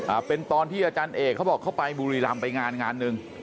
อ่าเป็นตอนที่อาจารย์เอกเขาบอกเขาไปบุรีรำไปงานงานหนึ่ง